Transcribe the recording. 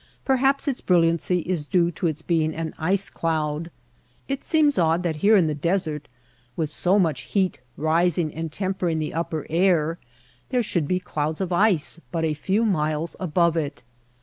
Perhaps its brilliancy is due to its being an ice cloud. It seems odd that here in the desert with so much heat rising and tempering the upper air there should be clouds of ice but a few miles above it.